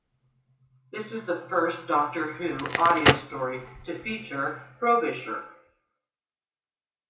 This is the first "Doctor Who" audio story to feature Frobisher.